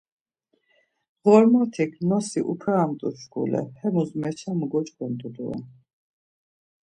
Ğormotik ğnosi upaemt̆u şkule, hemus meçamu goç̌ǩondu dore.